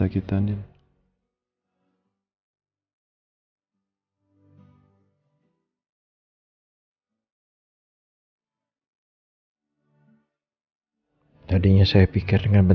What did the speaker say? kalau belum masuk ke console